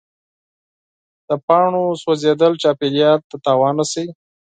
د پاڼو سوځېدل چاپېریال ته زیان رسوي.